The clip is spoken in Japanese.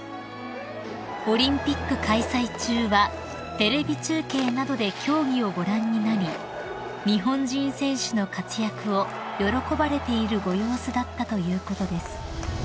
［オリンピック開催中はテレビ中継などで競技をご覧になり日本人選手の活躍を喜ばれているご様子だったということです］